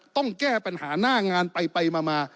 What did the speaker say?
ต้องแก้ปัญหาหน้างานไปมา